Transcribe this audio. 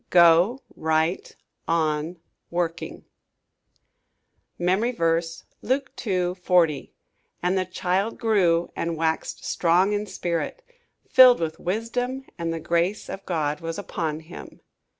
Go Right On Working MEMORY VERSE, Luke 2: 40 "And the child grew, and waxed strong in spirit, filled with wisdom; and the grace of God was upon him."